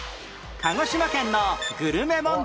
鹿児島県のグルメ問題